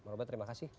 robert terima kasih